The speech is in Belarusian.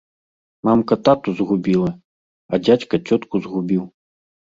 Мамка тату згубіла, а дзядзька цётку згубіў!